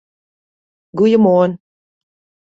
Goeiemoarn!